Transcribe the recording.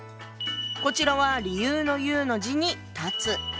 こちらは理由の「由」の字に「断つ」。